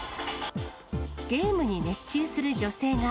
ゲームに熱中する女性が。